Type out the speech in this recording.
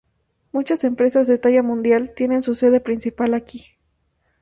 Muchas empresas de talla mundial tienen su sede principal aquí.